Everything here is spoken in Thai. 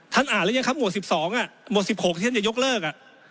ท่านอ่านแล้วยังครับโหมด๑๒โหมด๑๖ที่ท่านจะยกเลิก